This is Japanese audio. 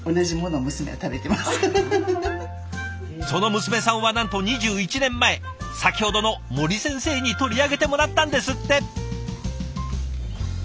その娘さんはなんと２１年前先ほどの森先生に取り上げてもらったんですって。